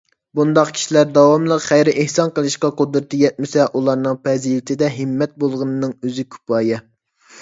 بۇنداق كىشىلەر داۋاملىق خەير - ئېھسان قىلىشىغا قۇدرىتى يەتمىسە، ئۇلارنىڭ پەزىلىتىدە ھىممەت بولغىنىنىڭ ئۆزى كۇپايە.